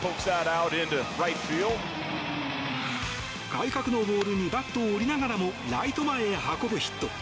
外角のボールにバットを折りながらもライト前へ運ぶヒット。